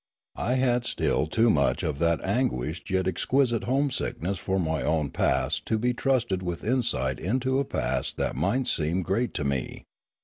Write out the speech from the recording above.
I had still too much of that anguished yet exquisite homesickness for my own past to be trusted with insight into a past that might seem great to me.